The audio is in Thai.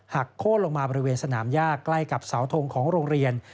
โค้นลงมาบริเวณสนามย่าใกล้กับเสาทงของโรงเรียน